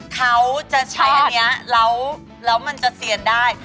เขาจะใช้อันนี้แล้วมันจะเซียนได้